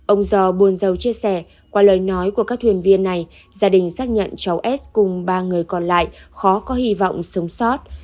ông do buôn dâu chia sẻ qua lời nói của các thuyền viên này gia đình xác nhận cháu s cùng ba người còn lại khó có hy vọng sống sót